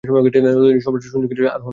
ততদিনে সম্রাট সুন সিংহাসনে আরোহণ করেন।